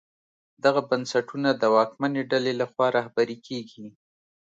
دغه بنسټونه د واکمنې ډلې لخوا رهبري کېږي.